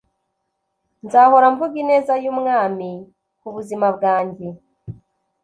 nzahora mvuga ineza yumwami kubuzima bwanjye